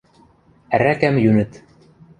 Ӓрӓкӓм йӱнӹт.